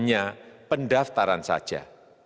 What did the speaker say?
hanya pendaftaran saja